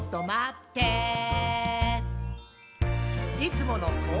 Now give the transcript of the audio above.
ちょっとまってぇー」